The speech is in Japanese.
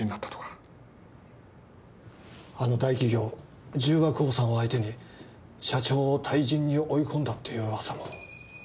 あの大企業十和興産を相手に社長を退陣に追い込んだっていう噂も。